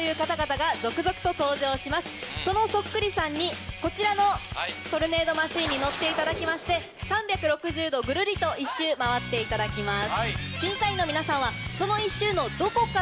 そのそっくりさんにこちらのトルネードマシンに乗っていただきまして３６０度ぐるりと１周回っていただきます。